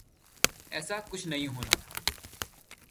ایسا کچھ نہیں ہونا تھا۔